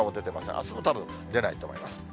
あすもたぶん出ないと思います。